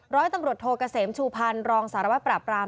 ร้อยตำรวจโทเกษมชูพันธ์รองสารวัตรปราบราม